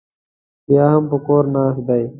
بیا هم په کور ناست دی.